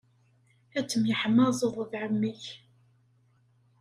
Ad temyeḥmaẓeḍ d ɛemmi-k.